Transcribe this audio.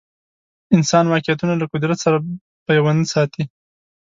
انسان واقعیتونه له قدرت سره پیوند ساتي